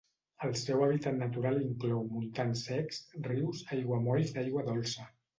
El seu hàbitat natural inclou montans secs, rius, aiguamolls d'aigua dolça.